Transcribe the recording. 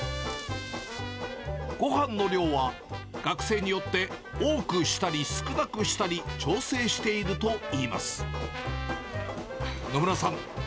ごはんの量は、学生によって多くしたり、少なくしたり調整しているといいます。